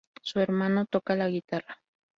Su hermano toca la guitarra.